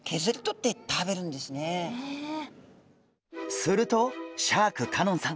するとシャーク香音さん